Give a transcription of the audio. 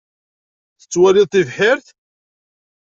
Tettwaliḍ tibḥirt?